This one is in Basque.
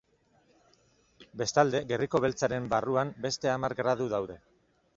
Bestalde, gerriko beltzaren barruan beste hamar gradu daude.